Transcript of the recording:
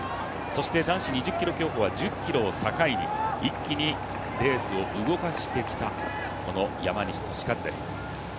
そして男子２０ｋｍ競歩は１０ｋｍを境に一気にレースを動かしてきた山西利和です。